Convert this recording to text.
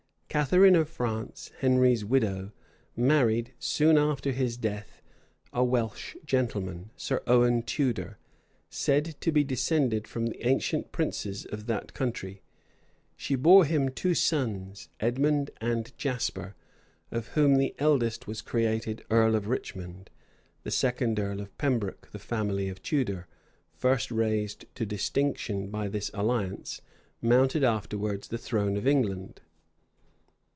Catharine of France, Henry's widow, married, soon after his death, a Welsh gentleman, Sir Owen Tudor, said to be descended from the ancient princes of that country: she bore him two sons, Edmund and Jasper, of whom the eldest was created earl of Richmond; the second earl of Pembroke The family of Tudor, first raised to distinction by this alliance, mounted afterwards the throne of England.